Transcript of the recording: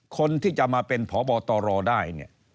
คนที่จะมาเป็นพบตรได้